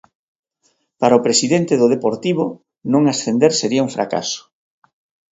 Para o presidente do Deportivo, non ascender sería un fracaso.